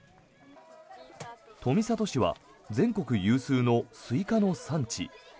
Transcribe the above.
富里市は全国有数のスイカの産地。